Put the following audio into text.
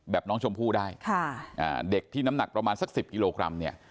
น้องชมพู่ได้ค่ะอ่าเด็กที่น้ำหนักประมาณสัก๑๐กิโลกรัมเนี่ย